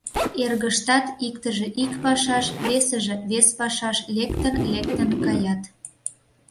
Эргыштат иктыже ик пашаш, весыже вес пашаш лектын-лектын каят.